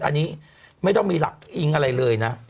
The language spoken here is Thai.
อันนี้ไม่ต้องมีหลักอิงอะไรเลยนะ